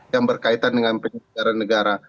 yang berkaitan dengan penyelenggara negara